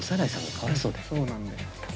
そうなんだよ。